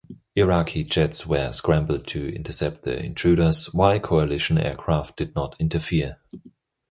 Iraqi jets were scrambled to intercept the intruders while Coalition aircraft did not interfere.